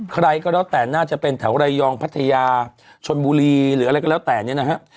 ใครก็แล้วแต่น่าจะเป็นแถวระยองพัทยาชนบุรีหรืออะไรก็แล้วแต่เนี่ยนะฮะ